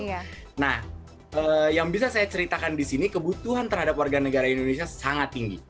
nah yang bisa saya ceritakan di sini kebutuhan terhadap warga negara indonesia sangat tinggi